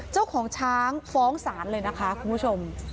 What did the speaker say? เจ้าของช้างฟ้องศาลเลยนะคะคุณผู้ชม